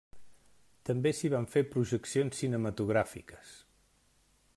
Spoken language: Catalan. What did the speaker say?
També s'hi van fer projeccions cinematogràfiques.